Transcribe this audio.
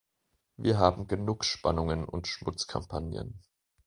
Wir haben genug Spannungen und Schmutzkampagnen.